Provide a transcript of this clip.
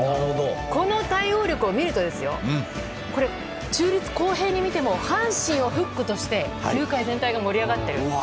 この対応力を見ると中立公平に見ても阪神をフックとして球界全体が盛り上がっている。